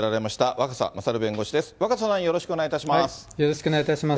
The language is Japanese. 若狭さん、よろしくお願いいたします。